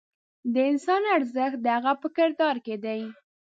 د انسان ارزښت د هغه په کردار کې دی.